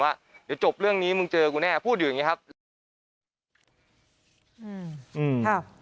ว่าเดี๋ยวจบเรื่องนี้มึงเจอกูแน่พูดอยู่อย่างนี้ครับ